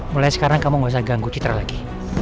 mulai sekarang kamu gak usah ganggu citra lagi